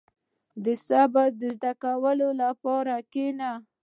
• د صبر د زده کولو لپاره کښېنه.